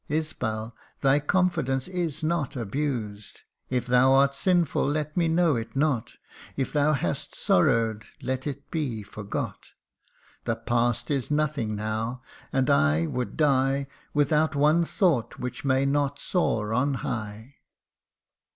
' Isbal, thy confidence is not abused : If thou art sinful, let me know it not ; If thou hast sorrow 'd, let it be forgot : The past is nothing now, and I would die Without one thought which may not soar on high.'